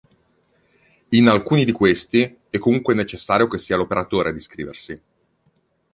In alcuni di questi, è comunque necessario che sia l’operatore ad iscriversi.